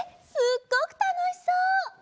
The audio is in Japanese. すっごくたのしそう！